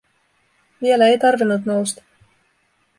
Vielä ei tarvinnut nousta.